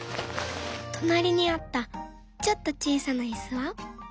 となりにあったちょっとちいさないすは。